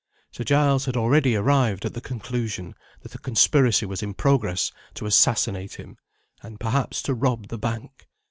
Sir Giles had already arrived at the conclusion that a conspiracy was in progress to assassinate him, and perhaps to rob the bank.